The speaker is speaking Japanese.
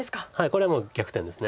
これもう逆転です。